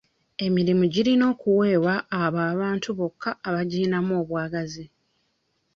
Emirimu girina kuweebwa abo abantu bokka abagiyinamu obwagazi.